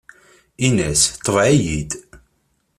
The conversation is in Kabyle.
Inna-as: Tebɛ-iyi-d!